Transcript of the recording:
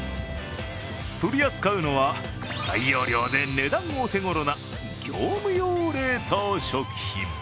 取り扱うのは大容量で値段お手頃な業務用冷凍食品。